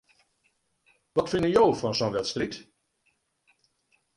Wat fine jo fan sa'n wedstriid?